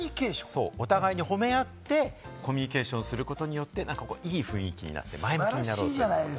お互いに褒め合ってコミュニケーションすることによって、いい雰囲気になって前向きになろうと。